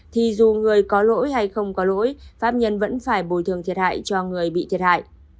thì dù người có lỗi hay không có lỗi pháp nhân vẫn phải bồi thường thiệt hại cho người bị thiệt hại